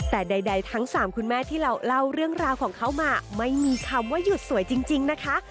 แต่ใดทั้งสามคุณแม่ที่เราเล่าเรื่องราวของเขามาไม่มีคำว่าหยุดสวยจริงนะคะ